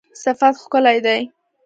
صفت ښکلی دی